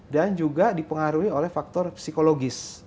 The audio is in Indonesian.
dan juga dipengaruhi oleh faktor psikologis